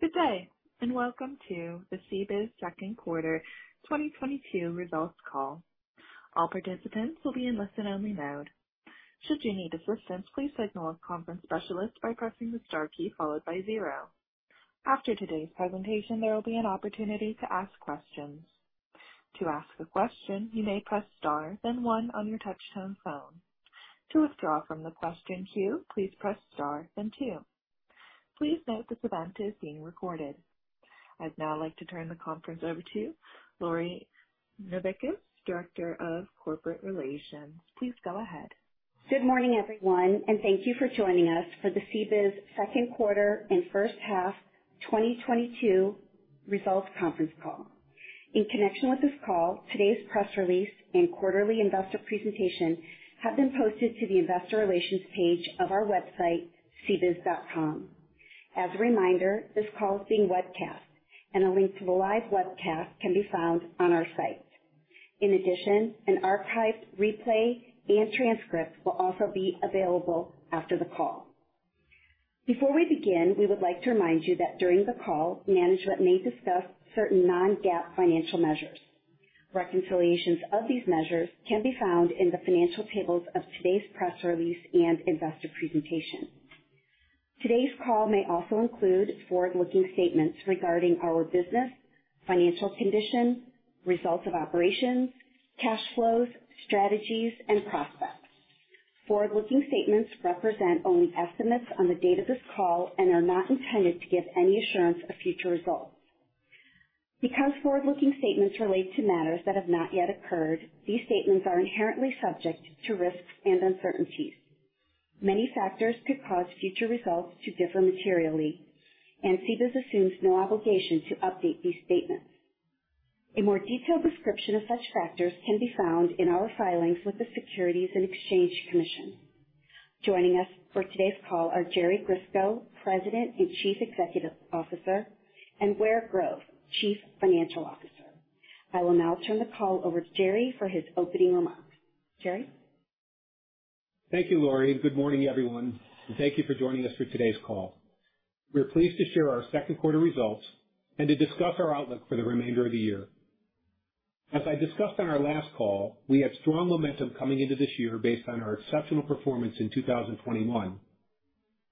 Good day, and welcome to the CBIZ Second Quarter 2022 Results Call. All participants will be in listen-only mode. Should you need assistance, please signal a conference specialist by pressing the star key followed by zero. After today's presentation, there will be an opportunity to ask questions. To ask a question, you may press star then one on your touch-tone phone. To withdraw from the question queue, please press star then two. Please note this event is being recorded. I'd now like to turn the conference over to Lori Novickis, Director of Corporate Relations. Please go ahead. Good morning, everyone, and thank you for joining us for the CBIZ Second Quarter and First Half 2022 Results Conference Call. In connection with this call, today's press release and quarterly investor presentation have been posted to the Investor Relations page of our website, cbiz.com. As a reminder, this call is being webcast and a link to the live webcast can be found on our site. In addition, an archived replay and transcript will also be available after the call. Before we begin, we would like to remind you that during the call, management may discuss certain non-GAAP financial measures. Reconciliations of these measures can be found in the financial tables of today's press release and investor presentation. Today's call may also include forward-looking statements regarding our business, financial condition, results of operations, cash flows, strategies, and prospects. Forward-looking statements represent only estimates on the date of this call and are not intended to give any assurance of future results. Because forward-looking statements relate to matters that have not yet occurred, these statements are inherently subject to risks and uncertainties. Many factors could cause future results to differ materially, and CBIZ assumes no obligation to update these statements. A more detailed description of such factors can be found in our filings with the Securities and Exchange Commission. Joining us for today's call are Jerry Grisko, President and Chief Executive Officer, and Ware Grove, Chief Financial Officer. I will now turn the call over to Jerry for his opening remarks. Jerry? Thank you, Lori, and good morning, everyone, and thank you for joining us for today's call. We're pleased to share our second quarter results and to discuss our outlook for the remainder of the year. As I discussed on our last call, we had strong momentum coming into this year based on our exceptional performance in 2021,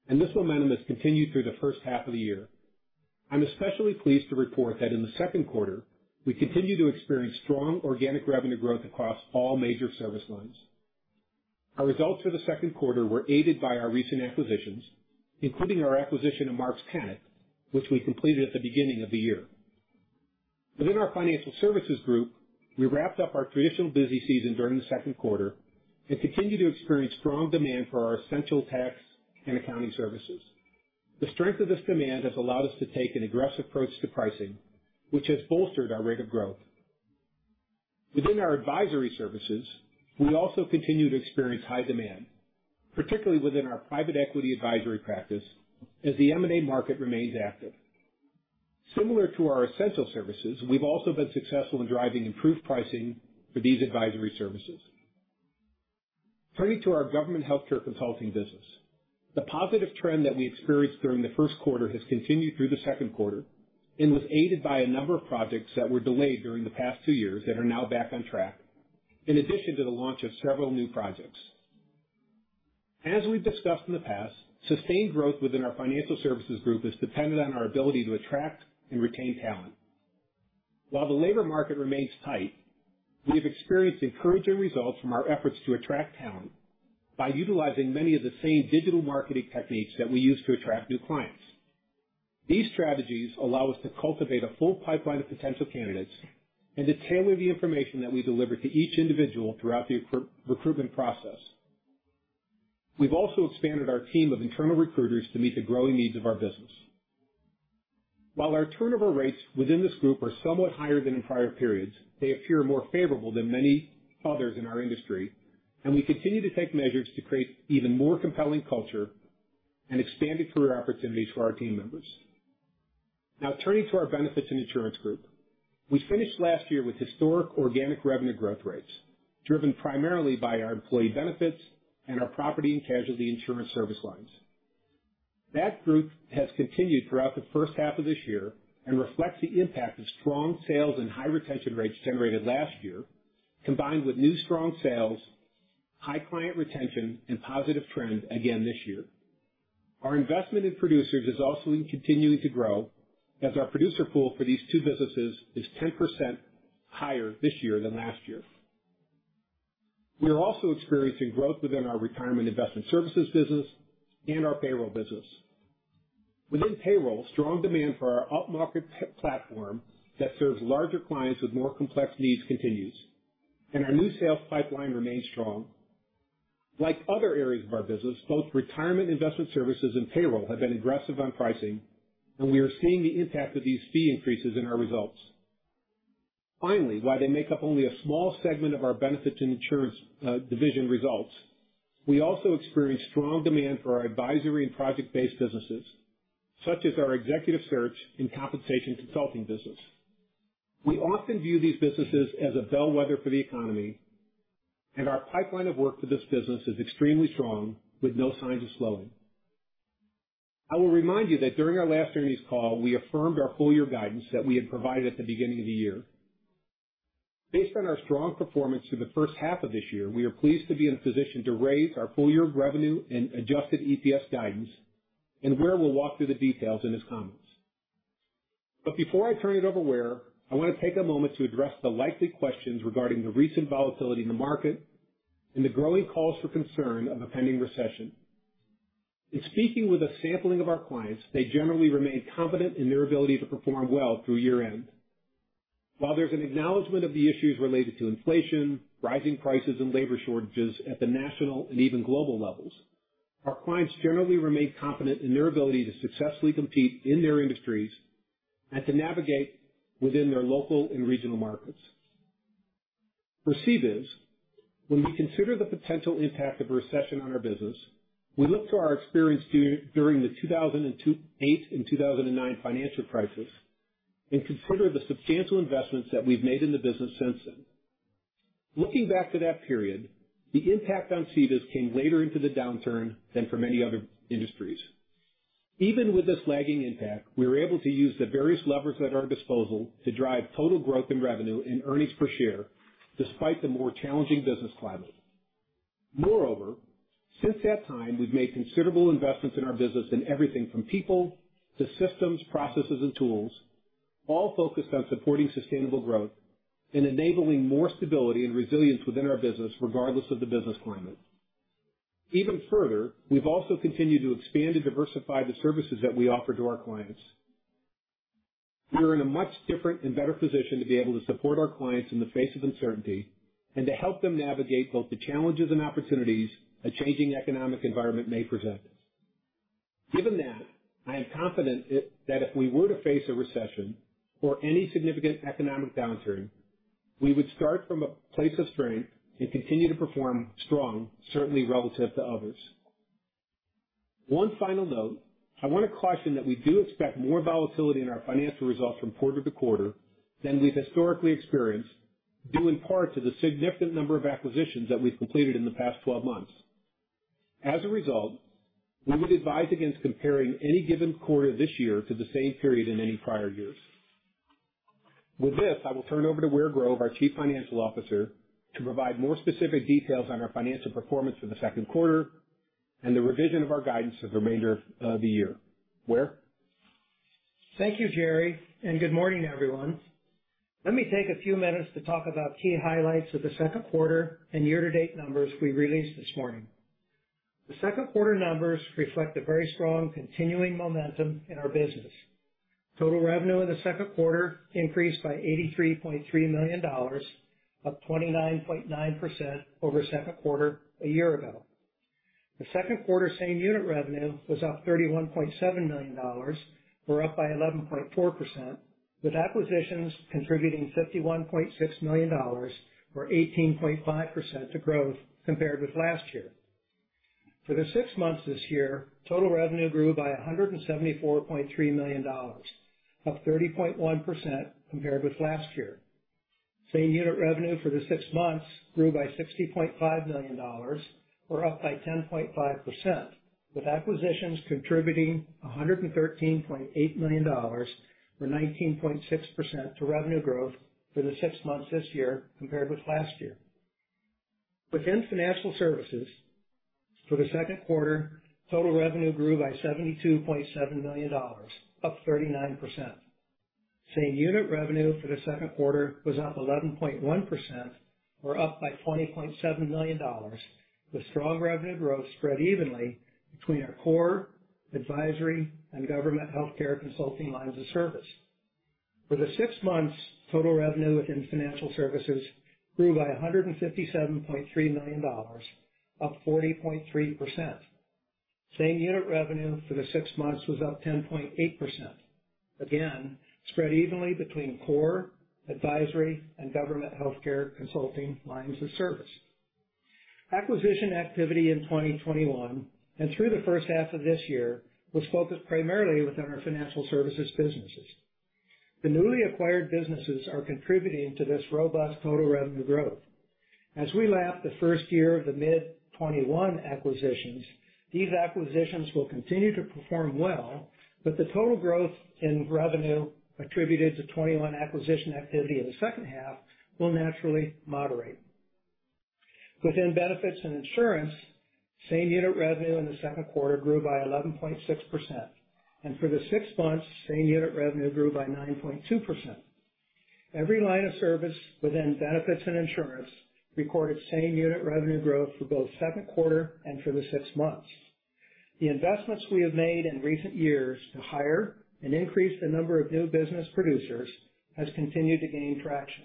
and this momentum has continued through the first half of the year. I'm especially pleased to report that in the second quarter, we continued to experience strong organic revenue growth across all major service lines. Our results for the second quarter were aided by our recent acquisitions, including our acquisition of Marks Paneth, which we completed at the beginning of the year. Within our financial services group, we wrapped up our traditional busy season during the second quarter and continued to experience strong demand for our essential tax and accounting services. The strength of this demand has allowed us to take an aggressive approach to pricing, which has bolstered our rate of growth. Within our advisory services, we also continue to experience high demand, particularly within our private equity advisory practice as the M&A market remains active. Similar to our essential services, we've also been successful in driving improved pricing for these advisory services. Turning to our government healthcare consulting business. The positive trend that we experienced during the first quarter has continued through the second quarter and was aided by a number of projects that were delayed during the past two years that are now back on track, in addition to the launch of several new projects. As we've discussed in the past, sustained growth within our financial services group is dependent on our ability to attract and retain talent. While the labor market remains tight, we have experienced encouraging results from our efforts to attract talent by utilizing many of the same digital marketing techniques that we use to attract new clients. These strategies allow us to cultivate a full pipeline of potential candidates and to tailor the information that we deliver to each individual throughout the recruitment process. We've also expanded our team of internal recruiters to meet the growing needs of our business. While our turnover rates within this group are somewhat higher than in prior periods, they appear more favorable than many others in our industry, and we continue to take measures to create even more compelling culture and expanded career opportunities for our team members. Now turning to our benefits and insurance group. We finished last year with historic organic revenue growth rates, driven primarily by our employee benefits and our property and casualty insurance service lines. That growth has continued throughout the first half of this year and reflects the impact of strong sales and high retention rates generated last year, combined with new strong sales, high client retention and positive trends again this year. Our investment in producers is also continuing to grow as our producer pool for these two businesses is 10% higher this year than last year. We are also experiencing growth within our retirement investment services business and our payroll business. Within payroll, strong demand for our upmarket platform that serves larger clients with more complex needs continues, and our new sales pipeline remains strong. Like other areas of our business, both retirement investment services and payroll have been aggressive on pricing, and we are seeing the impact of these fee increases in our results. Finally, while they make up only a small segment of our benefits and insurance division results, we also experienced strong demand for our advisory and project-based businesses, such as our executive search and compensation consulting business. We often view these businesses as a bellwether for the economy. Our pipeline of work for this business is extremely strong with no signs of slowing. I will remind you that during our last earnings call, we affirmed our full year guidance that we had provided at the beginning of the year. Based on our strong performance through the first half of this year, we are pleased to be in a position to raise our full year revenue and Adjusted EPS guidance, and Ware will walk through the details in his comments. Before I turn it over Ware, I want to take a moment to address the likely questions regarding the recent volatility in the market and the growing calls for concern of a pending recession. In speaking with a sampling of our clients, they generally remain confident in their ability to perform well through year-end. While there's an acknowledgement of the issues related to inflation, rising prices, and labor shortages at the national and even global levels, our clients generally remain confident in their ability to successfully compete in their industries and to navigate within their local and regional markets. For CBIZ, when we consider the potential impact of a recession on our business, we look to our experience during the 2008 and 2009 financial crisis and consider the substantial investments that we've made in the business since then. Looking back to that period, the impact on CBIZ came later into the downturn than for many other industries. Even with this lagging impact, we were able to use the various levers at our disposal to drive total growth in revenue and earnings per share despite the more challenging business climate. Moreover, since that time, we've made considerable investments in our business in everything from people to systems, processes, and tools, all focused on supporting sustainable growth and enabling more stability and resilience within our business, regardless of the business climate. Even further, we've also continued to expand and diversify the services that we offer to our clients. We are in a much different and better position to be able to support our clients in the face of uncertainty and to help them navigate both the challenges and opportunities a changing economic environment may present. Given that, I am confident that if we were to face a recession or any significant economic downturn, we would start from a place of strength and continue to perform strong, certainly relative to others. One final note. I want to caution that we do expect more volatility in our financial results from quarter to quarter than we've historically experienced, due in part to the significant number of acquisitions that we've completed in the past 12 months. As a result, we would advise against comparing any given quarter this year to the same period in any prior years. With this, I will turn it over to Ware Grove, our Chief Financial Officer, to provide more specific details on our financial performance for the second quarter and the revision of our guidance for the remainder of the year. Ware? Thank you, Jerry, and good morning, everyone. Let me take a few minutes to talk about key highlights of the second quarter and year-to-date numbers we released this morning. The second quarter numbers reflect a very strong continuing momentum in our business. Total revenue in the second quarter increased by $83.3 million, up 29.9% over second quarter a year ago. The second quarter same unit revenue was up $31.7 million, or up by 11.4%, with acquisitions contributing $51.6 million or 18.5% to growth compared with last year. For the six months this year, total revenue grew by $174.3 million, up 30.1% compared with last year. Same unit revenue for the six months grew by $60.5 million or up by 10.5%, with acquisitions contributing $113.8 million or 19.6% to revenue growth for the six months this year compared with last year. Within financial services, for the second quarter, total revenue grew by $72.7 million, up 39%. Same unit revenue for the second quarter was up 11.1% or up by $20.7 million, with strong revenue growth spread evenly between our core, advisory and government healthcare consulting lines of service. For the six months, total revenue within financial services grew by $157.3 million, up 40.3%. Same unit revenue for the six months was up 10.8%, again spread evenly between core, advisory and government healthcare consulting lines of service. Acquisition activity in 2021 and through the first half of this year was focused primarily within our financial services businesses. The newly acquired businesses are contributing to this robust total revenue growth. As we lap the first year of the mid-2021 acquisitions, these acquisitions will continue to perform well, but the total growth in revenue attributed to 2021 acquisition activity in the second half will naturally moderate. Within benefits and insurance, same unit revenue in the second quarter grew by 11.6%, and for the six months, same unit revenue grew by 9.2%. Every line of service within benefits and insurance recorded same unit revenue growth for both second quarter and for the six months. The investments we have made in recent years to hire and increase the number of new business producers has continued to gain traction.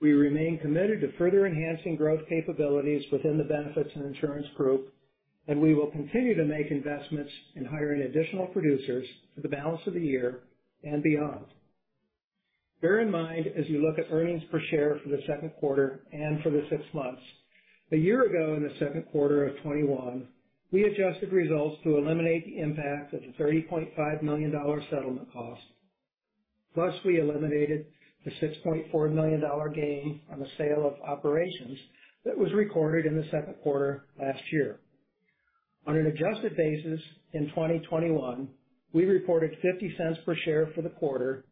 We remain committed to further enhancing growth capabilities within the benefits and insurance group, and we will continue to make investments in hiring additional producers for the balance of the year and beyond. Bear in mind as you look at earnings per share for the second quarter and for the six months, a year ago in the second quarter of 2021, we adjusted results to eliminate the impact of the $30.5 million settlement cost. Plus, we eliminated the $6.4 million gain on the sale of operations that was recorded in the second quarter last year. On an adjusted basis in 2021, we reported $0.50 per share for the quarter, and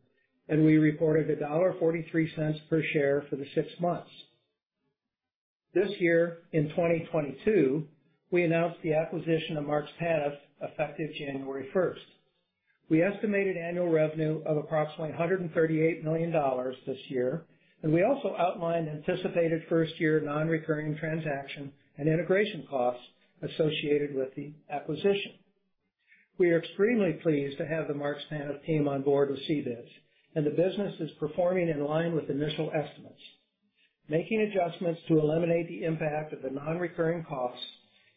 we reported $1.43 per share for the six months. This year, in 2022, we announced the acquisition of Marks Paneth effective January 1st. We estimated annual revenue of approximately $138 million this year, and we also outlined anticipated first-year non-recurring transaction and integration costs associated with the acquisition. We are extremely pleased to have the Marks Paneth team on board with CBIZ, and the business is performing in line with initial estimates. Making adjustments to eliminate the impact of the non-recurring costs,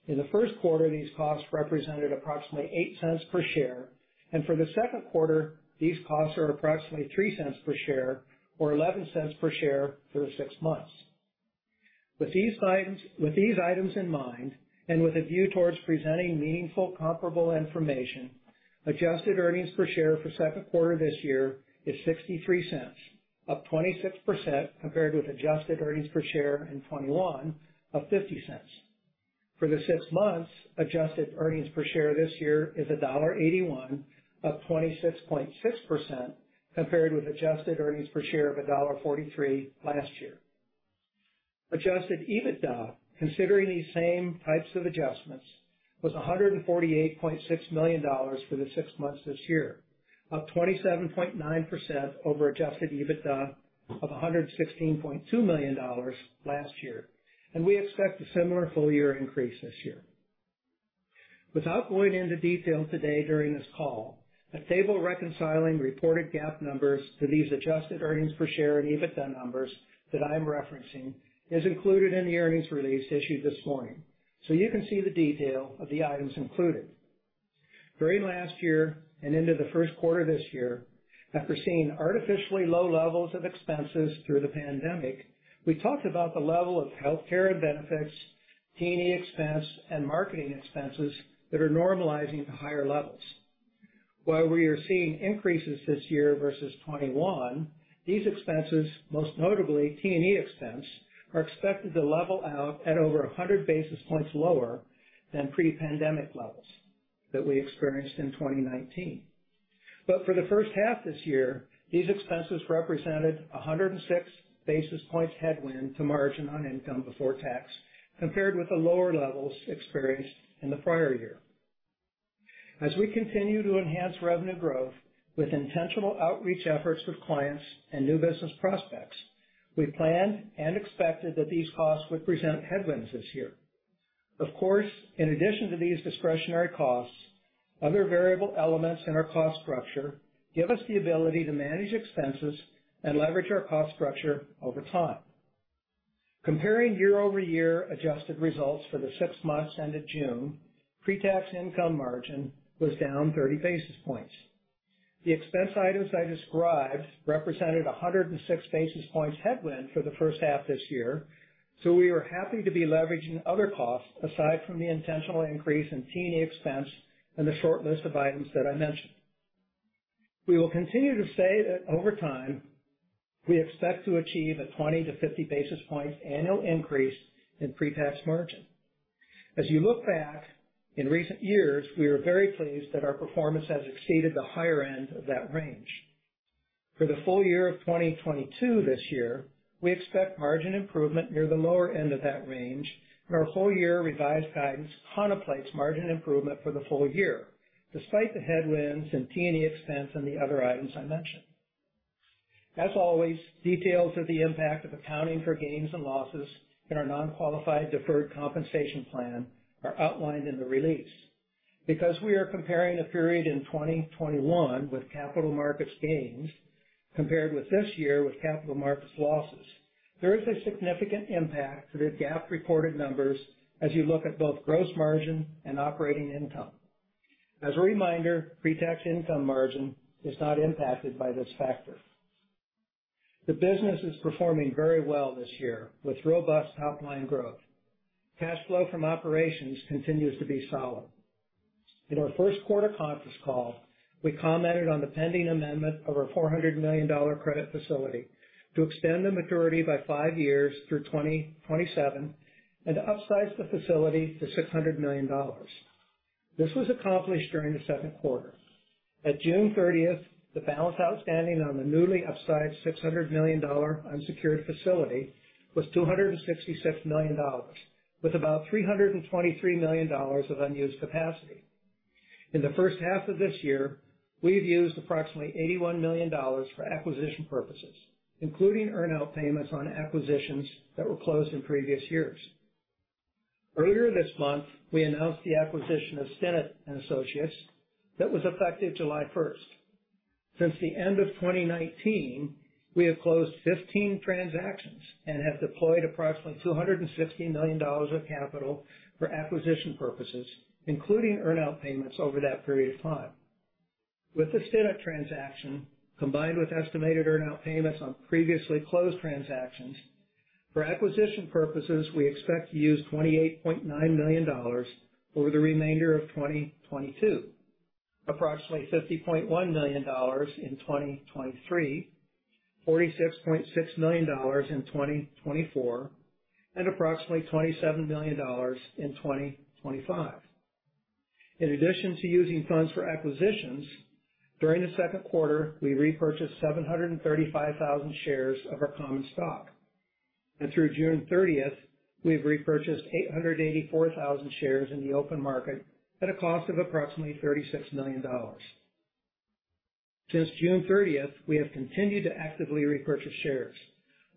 in the first quarter, these costs represented approximately $0.08 per share, and for the second quarter, these costs are approximately $0.03 per share or $0.11 per share for the six months. With these items in mind, and with a view toward presenting meaningful comparable information, adjusted earnings per share for second quarter this year is $0.63, up 26% compared with adjusted earnings per share in 2021 of $0.50. For the six months, adjusted earnings per share this year is $1.81, up 26.6% compared with adjusted earnings per share of $1.43 last year. Adjusted EBITDA, considering these same types of adjustments, was $148.6 million for the six months this year, up 27.9% over Adjusted EBITDA of $116.2 million last year. We expect a similar full-year increase this year. Without going into detail today during this call, a table reconciling reported GAAP numbers to these adjusted earnings per share and EBITDA numbers that I am referencing is included in the earnings release issued this morning, so you can see the detail of the items included. During last year and into the first quarter this year, after seeing artificially low levels of expenses through the pandemic, we talked about the level of healthcare benefits, T&E expense, and marketing expenses that are normalizing to higher levels. While we are seeing increases this year versus 2021, these expenses, most notably T&E expense, are expected to level out at over 100 basis points lower than pre-pandemic levels that we experienced in 2019. For the first half this year, these expenses represented 106 basis points headwind to margin on income before tax compared with the lower levels experienced in the prior year. As we continue to enhance revenue growth with intentional outreach efforts with clients and new business prospects, we planned and expected that these costs would present headwinds this year. Of course, in addition to these discretionary costs, other variable elements in our cost structure give us the ability to manage expenses and leverage our cost structure over time. Comparing year-over-year adjusted results for the six months ended June, pre-tax income margin was down 30 basis points. The expense items I described represented 106 basis points headwind for the first half this year, so we are happy to be leveraging other costs aside from the intentional increase in T&E expense and the short list of items that I mentioned. We will continue to say that over time, we expect to achieve a 20-50 basis points annual increase in pre-tax margin. As you look back, in recent years, we are very pleased that our performance has exceeded the higher end of that range. For the full year of 2022 this year, we expect margin improvement near the lower end of that range, and our full-year revised guidance contemplates margin improvement for the full year, despite the headwinds in T&E expense and the other items I mentioned. As always, details of the impact of accounting for gains and losses in our non-qualified deferred compensation plan are outlined in the release. Because we are comparing a period in 2021 with capital markets gains compared with this year with capital markets losses, there is a significant impact to the GAAP reported numbers as you look at both gross margin and operating income. As a reminder, pre-tax income margin is not impacted by this factor. The business is performing very well this year with robust top-line growth. Cash flow from operations continues to be solid. In our first quarter conference call, we commented on the pending amendment of our $400 million credit facility to extend the maturity by five years through 2027 and upsize the facility to $600 million. This was accomplished during the second quarter. At June 30th, the balance outstanding on the newly upsized $600 million unsecured facility was $266 million, with about $323 million of unused capacity. In the first half of this year, we've used approximately $81 million for acquisition purposes, including earn-out payments on acquisitions that were closed in previous years. Earlier this month, we announced the acquisition of Stinnett & Associates that was effective July 1st. Since the end of 2019, we have closed 15 transactions and have deployed approximately $260 million of capital for acquisition purposes, including earn-out payments over that period of time. With the Stinnett transaction, combined with estimated earn-out payments on previously closed transactions. For acquisition purposes, we expect to use $28.9 million over the remainder of 2022, approximately $50.1 million in 2023, $46.6 million in 2024, and approximately $27 million in 2025. In addition to using funds for acquisitions, during the second quarter, we repurchased 735,000 shares of our common stock. Through June 30th, we have repurchased 884,000 shares in the open market at a cost of approximately $36 million. Since June 30th, we have continued to actively repurchase shares.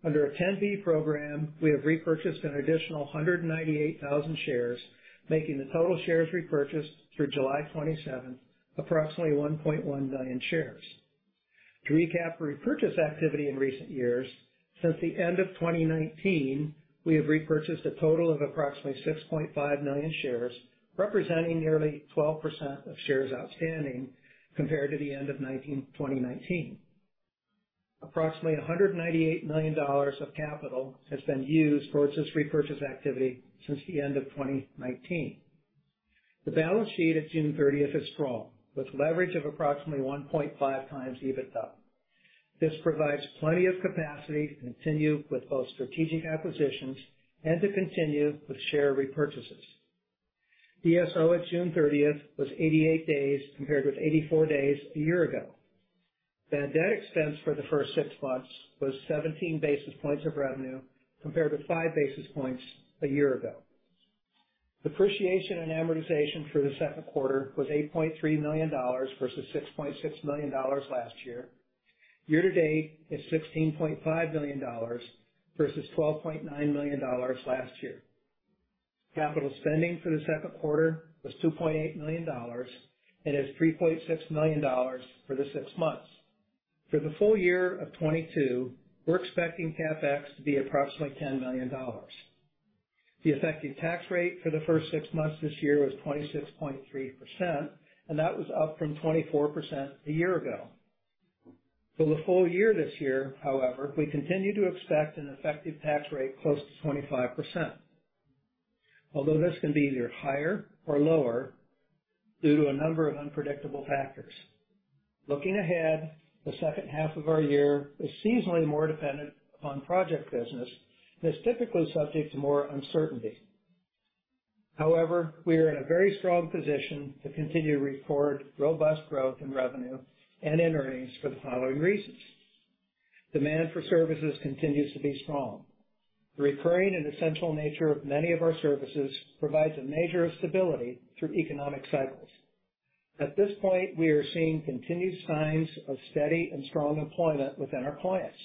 Under a 10b-18 program, we have repurchased an additional 198,000 shares, making the total shares repurchased through July 27th approximately 1.1 million shares. To recap repurchase activity in recent years, since the end of 2019, we have repurchased a total of approximately 6.5 million shares, representing nearly 12% of shares outstanding compared to the end of 2019. Approximately $198 million of capital has been used towards this repurchase activity since the end of 2019. The balance sheet at June thirtieth is strong, with leverage of approximately 1.5x EBITDA. This provides plenty of capacity to continue with both strategic acquisitions and to continue with share repurchases. DSO at June thirtieth was 88 days compared with 84 days a year ago. Bad debt expense for the first six months was 17 basis points of revenue, compared with 5 basis points a year ago. Depreciation and amortization for the second quarter was $8.3 million versus $6.6 million last year. Year-to-date is $16.5 million versus $12.9 million last year. Capital spending for the second quarter was $2.8 million and is $3.6 million for the six months. For the full year of 2022, we're expecting CapEx to be approximately $10 million. The effective tax rate for the first six months this year was 26.3%, and that was up from 24% a year ago. For the full year this year, however, we continue to expect an effective tax rate close to 25%. Although this can be either higher or lower due to a number of unpredictable factors. Looking ahead, the second half of our year is seasonally more dependent upon project business and is typically subject to more uncertainty. However, we are in a very strong position to continue to record robust growth in revenue and in earnings for the following reasons. Demand for services continues to be strong. The recurring and essential nature of many of our services provides a measure of stability through economic cycles. At this point, we are seeing continued signs of steady and strong employment within our clients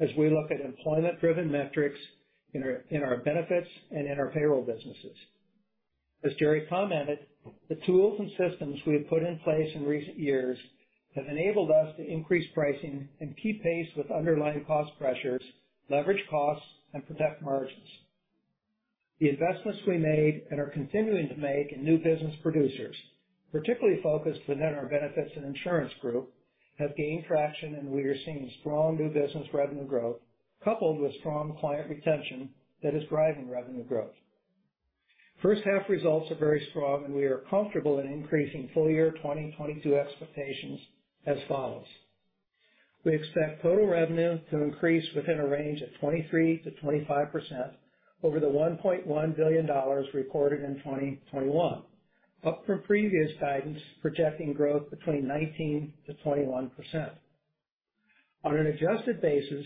as we look at employment-driven metrics in our benefits and in our payroll businesses. As Jerry commented, the tools and systems we have put in place in recent years have enabled us to increase pricing and keep pace with underlying cost pressures, leverage costs, and protect margins. The investments we made and are continuing to make in new business producers, particularly focused within our benefits and insurance group, have gained traction, and we are seeing strong new business revenue growth coupled with strong client retention that is driving revenue growth. First half results are very strong, and we are comfortable in increasing full year 2022 expectations as follows. We expect total revenue to increase within a range of 23%-25% over the $1.1 billion recorded in 2021, up from previous guidance projecting growth between 19%-21%. On an adjusted basis,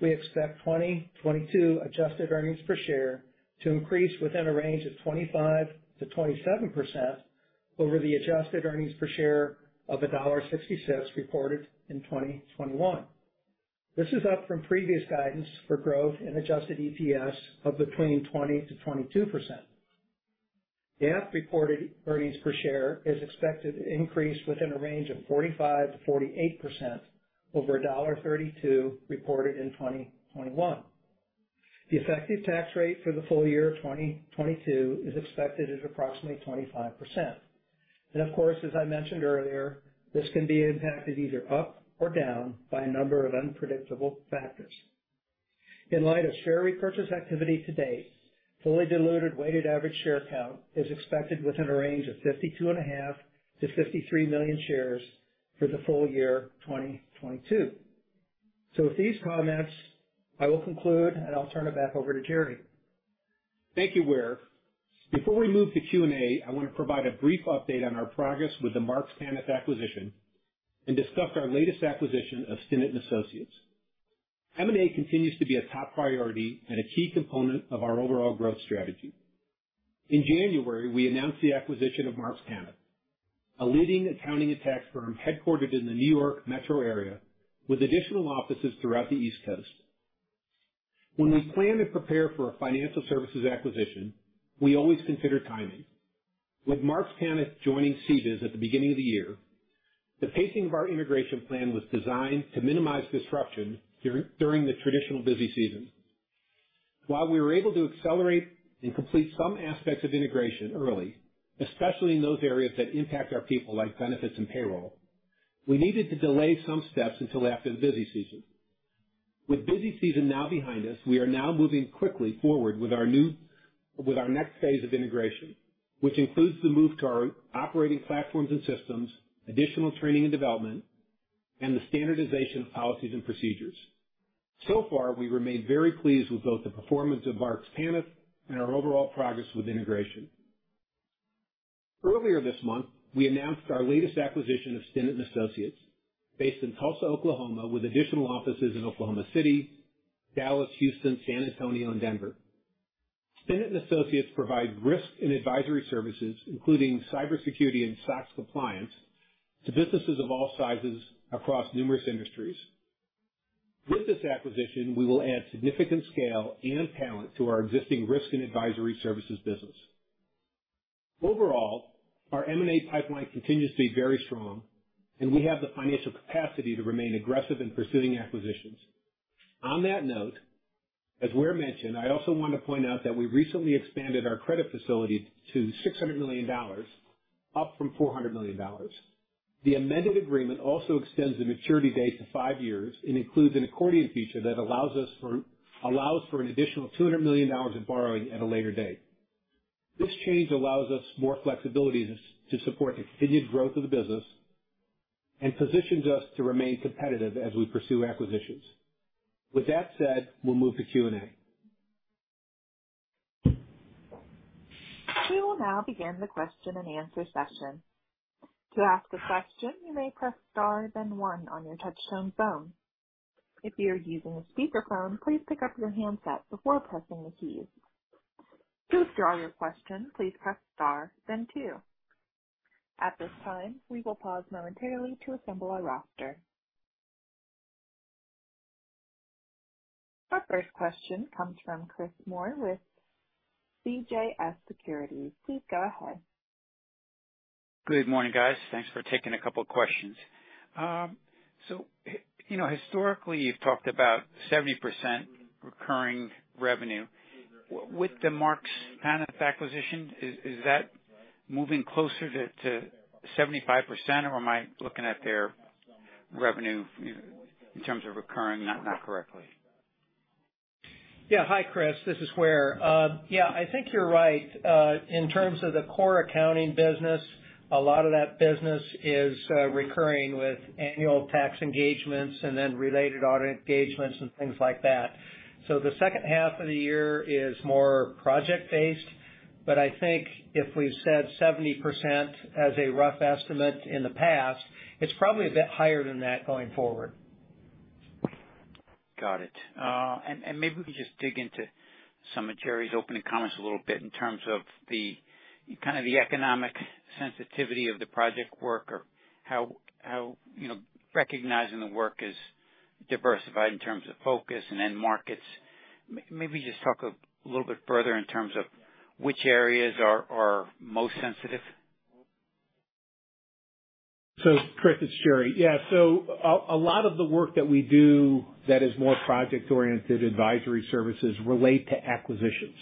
we expect 2022 adjusted earnings per share to increase within a range of 25%-27% over the adjusted earnings per share of $1.60 reported in 2021. This is up from previous guidance for growth in Adjusted EPS of between 20%-22%. GAAP reported earnings per share is expected to increase within a range of 45%-48% over $1.32 reported in 2021. The effective tax rate for the full year of 2022 is expected at approximately 25%. Of course, as I mentioned earlier, this can be impacted either up or down by a number of unpredictable factors. In light of share repurchase activity to date, fully diluted weighted average share count is expected within a range of 52.5 million-53 million shares for the full year 2022. With these comments, I will conclude, and I'll turn it back over to Jerry. Thank you, Ware. Before we move to Q&A, I want to provide a brief update on our progress with the Marks Paneth acquisition and discuss our latest acquisition of Stinnett & Associates. M&A continues to be a top priority and a key component of our overall growth strategy. In January, we announced the acquisition of Marks Paneth, a leading accounting and tax firm headquartered in the New York metro area with additional offices throughout the East Coast. When we plan and prepare for a financial services acquisition, we always consider timing. With Marks Paneth joining CBIZ at the beginning of the year, the pacing of our integration plan was designed to minimize disruption during the traditional busy season. While we were able to accelerate and complete some aspects of integration early, especially in those areas that impact our people, like benefits and payroll. We needed to delay some steps until after the busy season. With busy season now behind us, we are now moving quickly forward with our next phase of integration, which includes the move to our operating platforms and systems, additional training and development, and the standardization of policies and procedures. We remain very pleased with both the performance of Marks Paneth and our overall progress with integration. Earlier this month, we announced our latest acquisition of Stinnett & Associates based in Tulsa, Oklahoma, with additional offices in Oklahoma City, Dallas, Houston, San Antonio and Denver. Stinnett & Associates provide risk and advisory services, including cybersecurity and SOX compliance to businesses of all sizes across numerous industries. With this acquisition, we will add significant scale and talent to our existing risk and advisory services business. Overall, our M&A pipeline continues to be very strong, and we have the financial capacity to remain aggressive in pursuing acquisitions. On that note, as Ware mentioned, I also want to point out that we recently expanded our credit facility to $600 million, up from $400 million. The amended agreement also extends the maturity date to five years and includes an accordion feature that allows for an additional $200 million in borrowing at a later date. This change allows us more flexibility to support the continued growth of the business and positions us to remain competitive as we pursue acquisitions. With that said, we'll move to Q&A. We will now begin the question-and-answer session. To ask a question, you may press star then one on your touch-tone phone. If you're using a speakerphone, please pick up your handset before pressing the keys. To withdraw your question, please press star then two. At this time, we will pause momentarily to assemble our roster. Our first question comes from Chris Moore with CJS Securities. Please go ahead. Good morning, guys. Thanks for taking a couple questions. You know, historically, you've talked about 70% recurring revenue. With the Marks Paneth acquisition, is that moving closer to 75% or am I looking at their revenue in terms of recurring not correctly? Yeah. Hi, Chris. This is Ware. Yeah, I think you're right. In terms of the core accounting business, a lot of that business is recurring with annual tax engagements and then related audit engagements and things like that. The second half of the year is more project-based, but I think if we've said 70% as a rough estimate in the past, it's probably a bit higher than that going forward. Got it. Maybe we can just dig into some of Jerry's opening comments a little bit in terms of the kind of the economic sensitivity of the project work or how you know recognizing the work is diversified in terms of focus and end markets. Maybe just talk a little bit further in terms of which areas are most sensitive. Chris, it's Jerry. Yeah. A lot of the work that we do that is more project-oriented advisory services relate to acquisitions.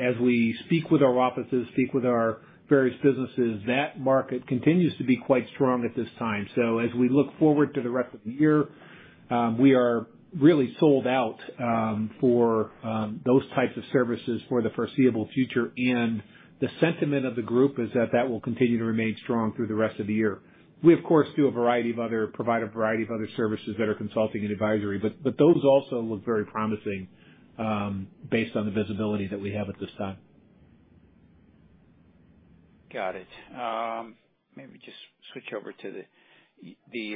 As we speak with our various businesses, that market continues to be quite strong at this time. As we look forward to the rest of the year, we are really sold out for those types of services for the foreseeable future. The sentiment of the group is that that will continue to remain strong through the rest of the year. We of course provide a variety of other services that are consulting and advisory, but those also look very promising based on the visibility that we have at this time. Got it. Maybe just switch over to the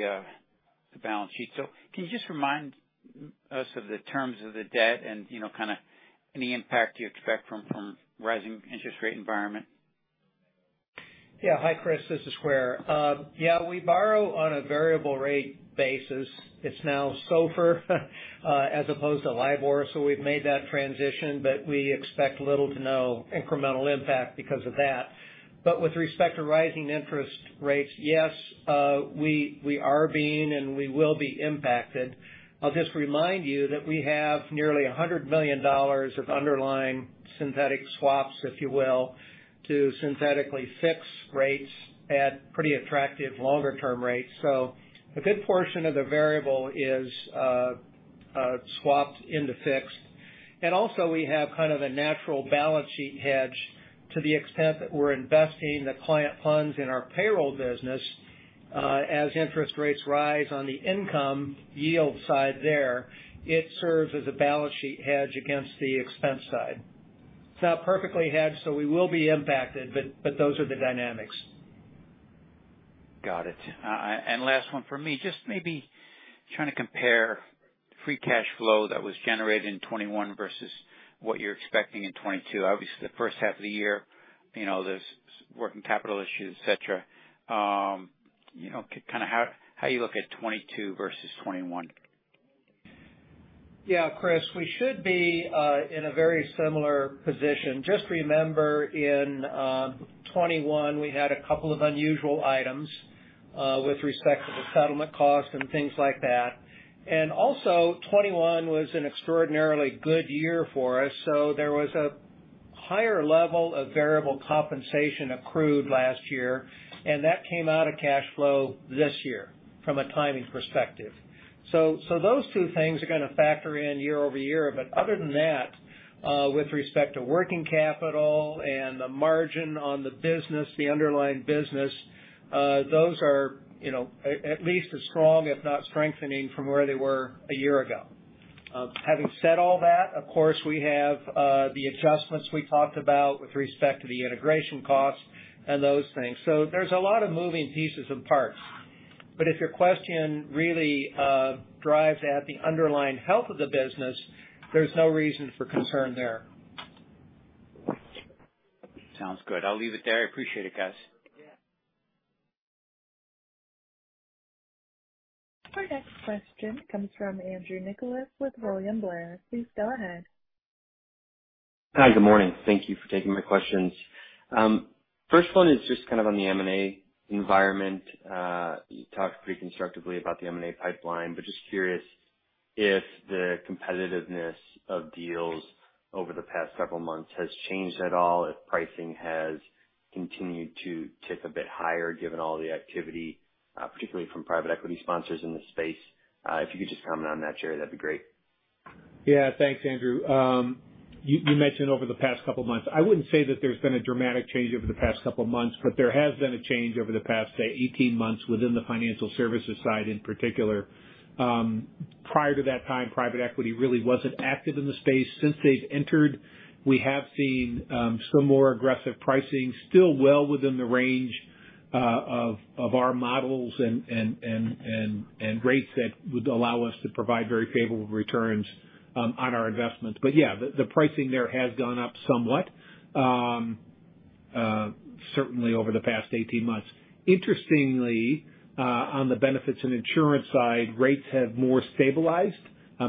balance sheet. Can you just remind us of the terms of the debt and, you know, kinda any impact you expect from rising interest rate environment? Yeah. Hi, Chris. This is Ware. We borrow on a variable rate basis. It's now SOFR as opposed to LIBOR, so we've made that transition, but we expect little to no incremental impact because of that. With respect to rising interest rates, yes, we are being and we will be impacted. I'll just remind you that we have nearly $100 million of underlying synthetic swaps, if you will, to synthetically fix rates at pretty attractive longer-term rates. A good portion of the variable is swapped into fixed. Also we have kind of a natural balance sheet hedge to the extent that we're investing the client funds in our payroll business. As interest rates rise on the income yield side there, it serves as a balance sheet hedge against the expense side. It's not perfectly hedged, so we will be impacted, but those are the dynamics. Got it. Last one for me, just maybe trying to compare free cash flow that was generated in 2021 versus what you're expecting in 2022. Obviously, the first half of the year, you know, there's working capital issues, et cetera. You know, kind of how you look at 2022 versus 2021. Yeah, Chris, we should be in a very similar position. Just remember in 2021, we had a couple of unusual items with respect to the settlement costs and things like that. 2021 was an extraordinarily good year for us, so there was a higher level of variable compensation accrued last year, and that came out of cash flow this year from a timing perspective. Those two things are gonna factor in year-over-year. Other than that, with respect to working capital and the margin on the business, the underlying business, those are, you know, at least as strong, if not strengthening from where they were a year ago. Having said all that, of course, we have the adjustments we talked about with respect to the integration costs and those things. There's a lot of moving pieces and parts. If your question really drives at the underlying health of the business, there's no reason for concern there. Sounds good. I'll leave it there. I appreciate it, guys. Our next question comes from Andrew Nicholas with William Blair. Please go ahead. Hi, good morning. Thank you for taking my questions. First one is just kind of on the M&A environment. You talked pretty constructively about the M&A pipeline, but just curious if the competitiveness of deals over the past several months has changed at all, if pricing has continued to tick a bit higher given all the activity, particularly from private equity sponsors in the space. If you could just comment on that, Jerry, that'd be great. Yeah, thanks, Andrew. You mentioned over the past couple months. I wouldn't say that there's been a dramatic change over the past couple of months, but there has been a change over the past, say, 18 months within the financial services side in particular. Prior to that time, private equity really wasn't active in the space. Since they've entered, we have seen some more aggressive pricing still well within the range of our models and rates that would allow us to provide very favorable returns on our investments. Yeah, the pricing there has gone up somewhat, certainly over the past 18 months. Interestingly, on the benefits and insurance side, rates have more stabilized.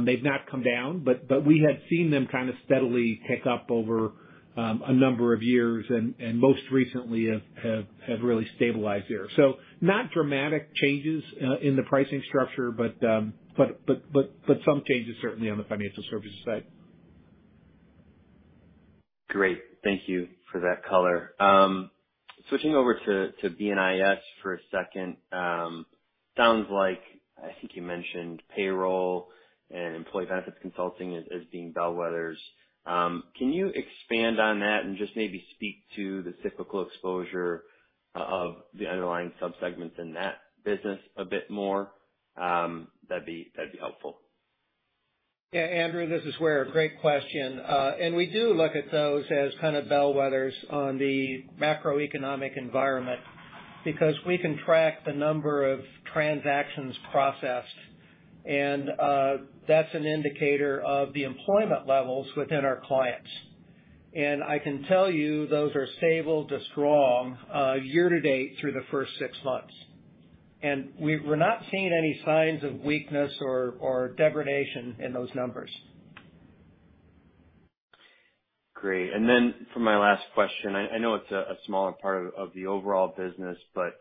They've not come down, but we had seen them kind of steadily tick up over a number of years and most recently have really stabilized here. Not dramatic changes in the pricing structure, but some changes certainly on the financial services side. Great. Thank you for that color. Switching over to BNIS for a second. Sounds like, I think you mentioned payroll and employee benefits consulting as being bellwethers. Can you expand on that and just maybe speak to the cyclical exposure of the underlying subsegments in that business a bit more? That'd be helpful. Yeah. Andrew, this is Ware. Great question. We do look at those as kind of bellwethers on the macroeconomic environment because we can track the number of transactions processed, and that's an indicator of the employment levels within our clients. I can tell you those are stable to strong year-to-date through the first six months. We're not seeing any signs of weakness or degradation in those numbers. Great. Then for my last question, I know it's a smaller part of the overall business, but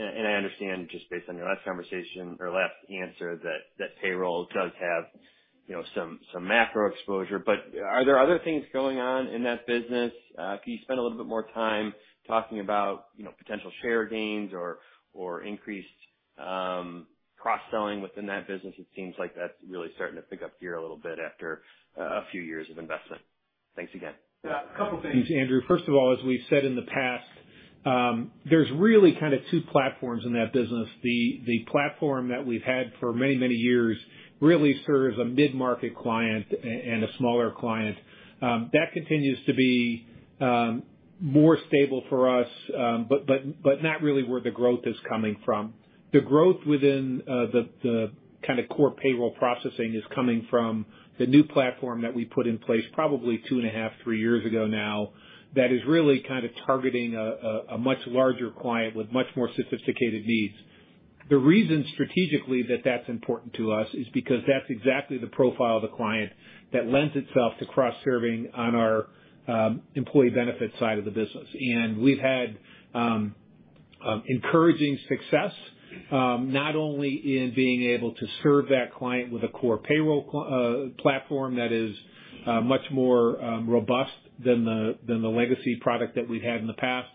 and I understand just based on your last conversation or last answer that that payroll does have you know some macro exposure, but are there other things going on in that business? Can you spend a little bit more time talking about you know potential share gains or increased cross-selling within that business? It seems like that's really starting to pick up here a little bit after a few years of investment. Thanks again. Yeah, a couple things, Andrew. First of all, as we've said in the past, there's really kind of two platforms in that business. The platform that we've had for many, many years really serves a mid-market client and a smaller client. That continues to be more stable for us, but not really where the growth is coming from. The growth within the kind of core payroll processing is coming from the new platform that we put in place probably 2.5 to three years ago now, that is really kind of targeting a much larger client with much more sophisticated needs. The reason strategically that that's important to us is because that's exactly the profile of the client that lends itself to cross-serving on our employee benefits side of the business. We've had encouraging success, not only in being able to serve that client with a core payroll platform that is much more robust than the legacy product that we've had in the past,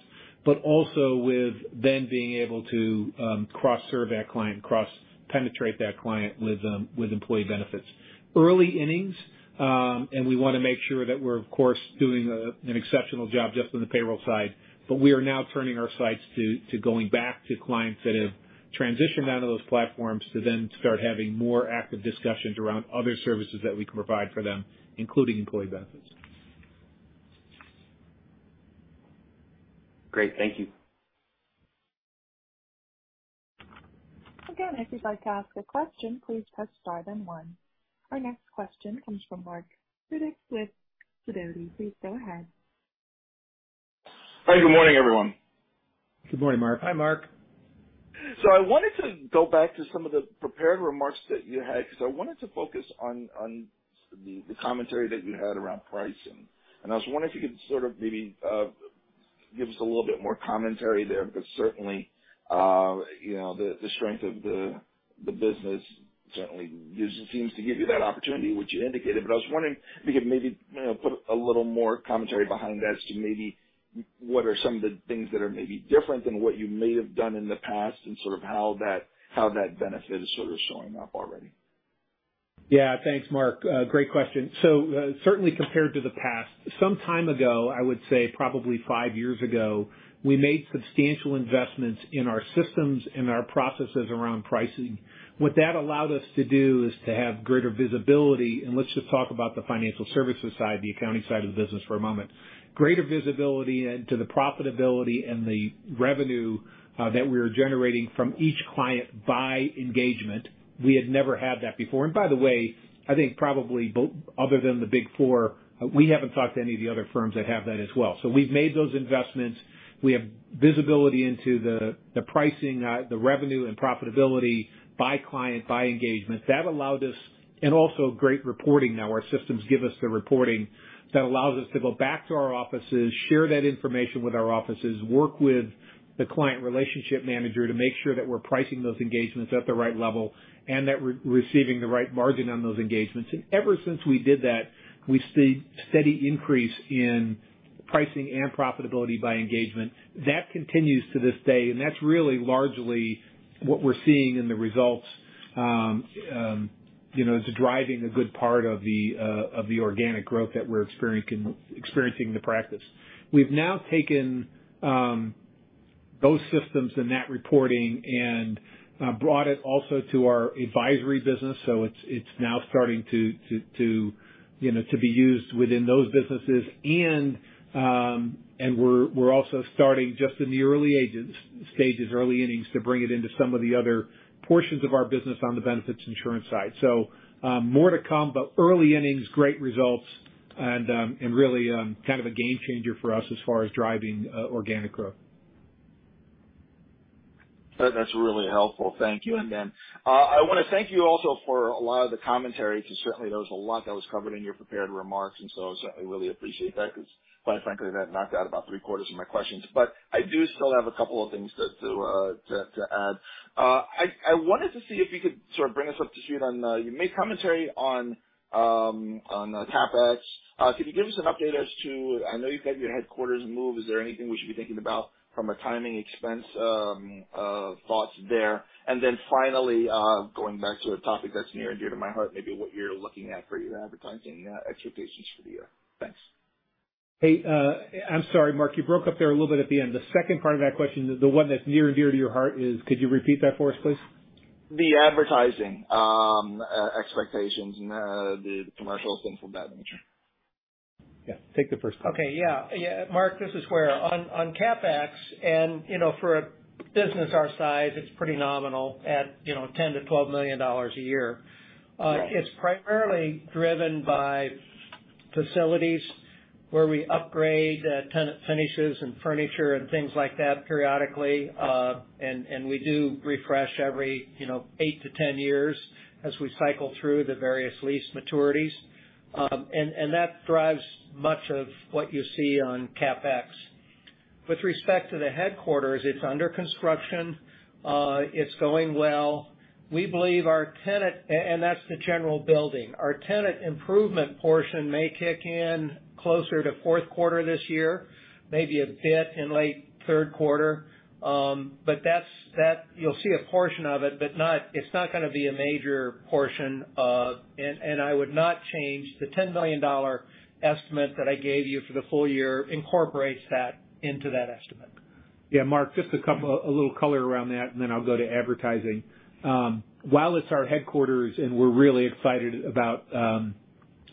but also with then being able to cross-serve that client, cross-penetrate that client with employee benefits. Early innings. We wanna make sure that we're, of course, doing an exceptional job just on the payroll side, but we are now turning our sights to going back to clients that have transitioned out of those platforms to then start having more active discussions around other services that we can provide for them, including employee benefits. Great. Thank you. Again, if you'd like to ask a question, please press star then one. Our next question comes from Marc Riddick with Sidoti. Please go ahead. Hi, good morning, everyone. Good morning, Marc. Hi, Marc. I wanted to go back to some of the prepared remarks that you had because I wanted to focus on the commentary that you had around pricing. I was wondering if you could sort of maybe give us a little bit more commentary there because certainly, you know, the strength of the business certainly does seems to give you that opportunity, which you indicated. I was wondering if you could maybe, you know, put a little more commentary behind as to maybe what are some of the things that are maybe different than what you may have done in the past and sort of how that benefit is sort of showing up already. Yeah. Thanks, Marc. Great question. Certainly compared to the past, some time ago, I would say probably five years ago, we made substantial investments in our systems and our processes around pricing. What that allowed us to do is to have greater visibility, and let's just talk about the financial services side, the accounting side of the business for a moment. Greater visibility into the profitability and the revenue that we were generating from each client by engagement. We had never had that before. By the way, I think probably both other than the Big Four, we haven't talked to any of the other firms that have that as well. We've made those investments. We have visibility into the pricing, the revenue and profitability by client, by engagement. That allowed us. Also great reporting now. Our systems give us the reporting that allows us to go back to our offices, share that information with our offices, work with the client relationship manager to make sure that we're pricing those engagements at the right level and that we're receiving the right margin on those engagements. Ever since we did that, we've seen steady increase in pricing and profitability by engagement. That continues to this day, and that's really largely what we're seeing in the results. You know, it's driving a good part of the organic growth that we're experiencing in the practice. We've now taken those systems and that reporting and brought it also to our advisory business. It's now starting to you know to be used within those businesses and we're also starting just in the early stages, early innings to bring it into some of the other portions of our business on the benefits insurance side. More to come, but early innings, great results and really kind of a game changer for us as far as driving organic growth. That's really helpful. Thank you. I wanna thank you also for a lot of the commentary because certainly there was a lot that was covered in your prepared remarks, and so I certainly really appreciate that because quite frankly, that knocked out about three-quarters of my questions. I do still have a couple of things to add. I wanted to see if you could sort of bring us up to speed on. You made commentary on CapEx. Could you give us an update as to. I know you've had your headquarters move. Is there anything we should be thinking about from a timing expense, thoughts there? Finally, going back to a topic that's near and dear to my heart, maybe what you're looking at for your advertising expectations for the year. Thanks. Hey, I'm sorry, Marc, you broke up there a little bit at the end. The second part of that question, the one that's near and dear to your heart is, could you repeat that for us, please? The advertising expectations and the commercials, things of that nature. Yeah. Take the first one. Okay. Yeah, yeah. Marc, this is Ware. On CapEx, you know, for a business our size, it's pretty nominal at, you know, $10 million-$12 million a year. It's primarily driven by facilities where we upgrade tenant finishes and furniture and things like that periodically. We do refresh every, you know, eight to 10 years as we cycle through the various lease maturities. That drives much of what you see on CapEx. With respect to the headquarters, it's under construction. It's going well. We believe our tenant. That's the general building. Our tenant improvement portion may kick in closer to fourth quarter this year, maybe a bit in late third quarter. That's. That. You'll see a portion of it, but not, it's not gonna be a major portion of- I would not change the $10 million estimate that I gave you for the full year, incorporates that into that estimate. Yeah. Marc, just a couple, a little color around that, and then I'll go to advertising. While it's our headquarters and we're really excited about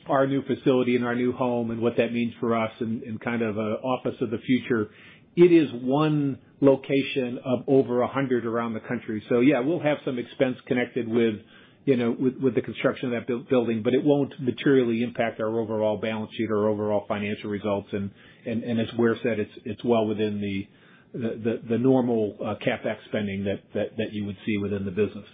our new facility and our new home and what that means for us in kind of an office of the future, it is one location of over 100 around the country. So yeah, we'll have some expense connected with, you know, with the construction of that building, but it won't materially impact our overall balance sheet or overall financial results. As Ware said, it's well within the normal CapEx spending that you would see within the business.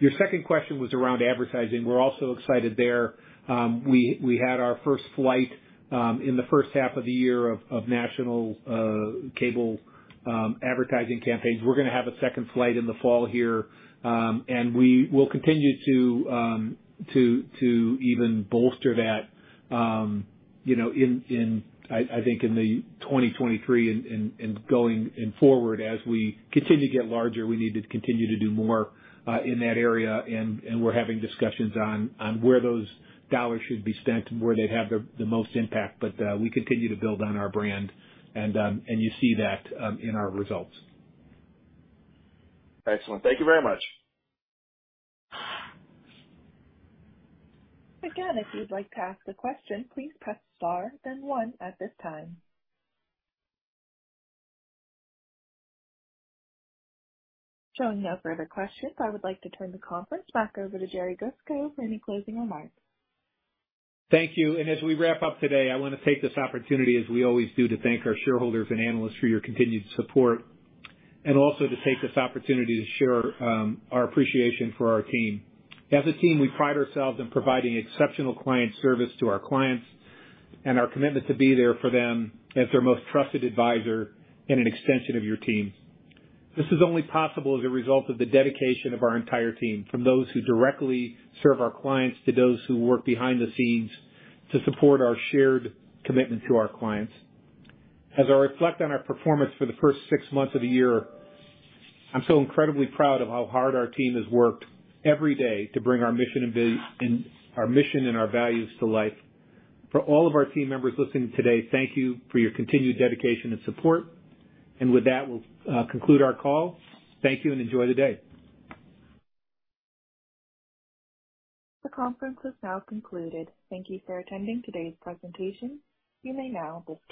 Your second question was around advertising. We're also excited there. We had our first flight in the first half of the year of national cable advertising campaigns. We're gonna have a second flight in the fall here. We will continue to even bolster that, you know, in 2023 and going forward. As we continue to get larger, we need to continue to do more in that area, and we're having discussions on where those dollars should be spent and where they'd have the most impact. We continue to build on our brand and you see that in our results. Excellent. Thank you very much. Again, if you'd like to ask a question, please press star then one at this time. Showing no further questions, I would like to turn the conference back over to Jerry Grisko for any closing remarks. Thank you. As we wrap up today, I wanna take this opportunity, as we always do, to thank our shareholders and analysts for your continued support and also to take this opportunity to share, our appreciation for our team. As a team, we pride ourselves in providing exceptional client service to our clients and our commitment to be there for them as their most trusted advisor and an extension of your team. This is only possible as a result of the dedication of our entire team, from those who directly serve our clients to those who work behind the scenes to support our shared commitment to our clients. As I reflect on our performance for the first six months of the year, I'm so incredibly proud of how hard our team has worked every day to bring our mission and our values to life. For all of our team members listening today, thank you for your continued dedication and support. With that, we'll conclude our call. Thank you and enjoy the day. The conference has now concluded. Thank you for attending today's presentation. You may now disconnect.